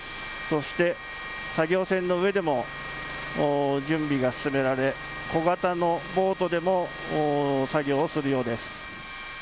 そして、作業船の上でも準備が進められ小型のボートでも作業をするようです。